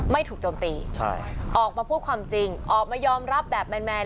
ถูกโจมตีใช่ออกมาพูดความจริงออกมายอมรับแบบแมน